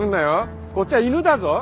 こっちゃ犬だぞ。